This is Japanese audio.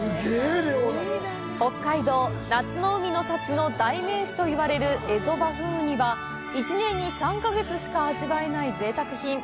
北海道、夏の海の幸の代名詞といわれるエゾバフンウニは１年に３か月しか味わえないぜいたく品。